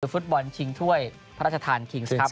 ฟุตบอลชิงถ้วยพระราชทานคิงศึก